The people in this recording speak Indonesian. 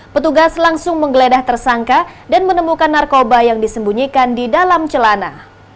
petugas langsung menggeledah tersangka dan menemukan narkoba yang disembunyikan di dalam celana